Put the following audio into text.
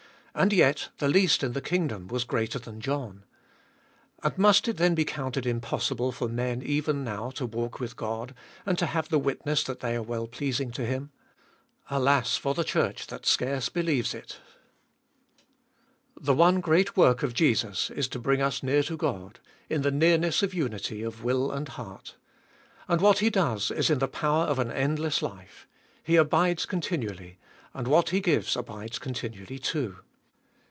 And yet, the least in the kingdom was greater than John, And must it then be counted impossible for men even now to walk with God, and to have the witness that they are well pleasing to Him ? Alas for the Church that scarce believes it. 2. The one great work of Jesus Is to bring us near to God, in the nearness of unity of will and heart. And what He does is In the power of an endless life; He abides continually, and what He gives abides continually too.